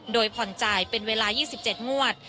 โดยผ่อนจ่ายเป็นเวลา๒๗งวด